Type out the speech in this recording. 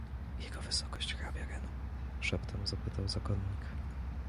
Jego wysokość hrabia Renu? — szeptem zapytał zakonnik.